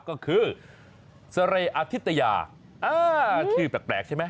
ก็คือเสิร์คอทิสตรยาคือแปลกใช่ไหม